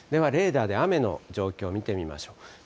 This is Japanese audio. ではレーダーで雨の状況を見てみましょう。